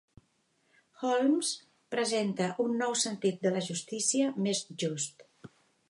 Holmes presenta un nou sentit de la justícia més just.